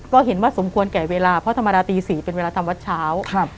ก็เห็นว่าสมควรแก่เวลาเพราะธรรมดาตี๔เป็นเวลาทำวัดเช้าครับ